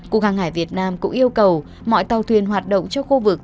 cục hàng hải việt nam cũng yêu cầu mọi tàu thuyền hoạt động trong khu vực